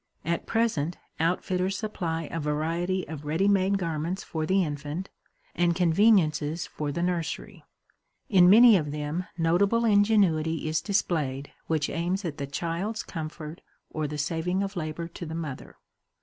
At present, outfitters supply a variety of ready made, garments for the infant and conveniences for the nursery; in many of them notable ingenuity is displayed which aims at the child's comfort or the saving of labor to the mother.